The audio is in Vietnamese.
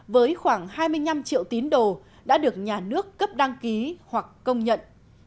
với khoảng hai mươi năm triệu tín đồ đã được nhà nước cấp đăng ký hoặc công nhận